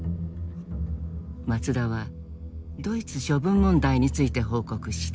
松田はドイツ処分問題について報告した。